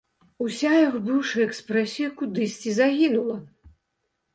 Уся яго быўшая экспрэсія кудысьці загінула.